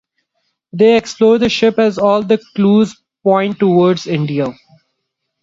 They explore the ship as all the clues point towards India.